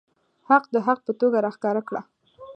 حق د حق په توګه راښکاره کړه.